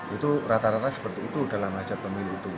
itu rata rata seperti itu dalam hajat pemilu itu